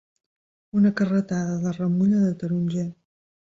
Una carretada de ramulla de taronger.